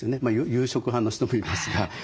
夕食派の人もいますが。